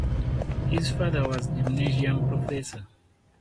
His father was Gymnasium professor.